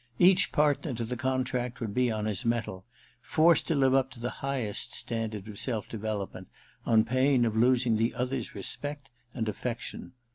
Each partner to the contract would be on his mettle, forced to live up to the highest standard of self development, on pain of losing the other's respect and affection.